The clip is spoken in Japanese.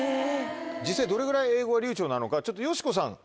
実際どれぐらい英語が流暢なのかちょっとよしこさん